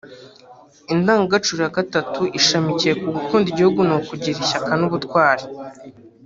Indangagaciro ya gatatu ishamikiye ku Gukunda igihugu ni ‘Ukugira ishyaka n’ubutwari’